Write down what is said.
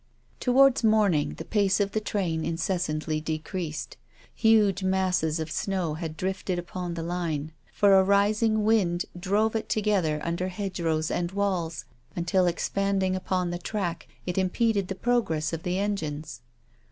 Towards morning the pace of the train inces santly decreased. Huge masses of snow had drifted upon the line. For a rising wind drove it together under hedgerows and walls until expand ing upon the track, it impeded the progress of the engines.